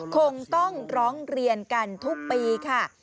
คงต้องร้องเรียนกันทุกปีค่ะ